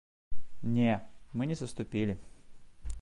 Не, мы не саступілі!